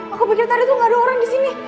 aku pikir tadi tuh gak ada orang di sini